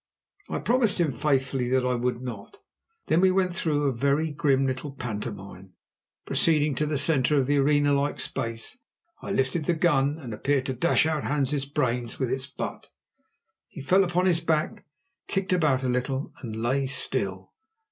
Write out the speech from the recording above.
I promised him faithfully that I would not. Then we went through a very grim little pantomime. Proceeding to the centre of the arena like space, I lifted the gun, and appeared to dash out Hans' brains with its butt. He fell upon his back, kicked about a little, and lay still.